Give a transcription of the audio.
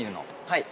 はい。